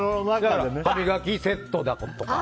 歯磨きセットだとか。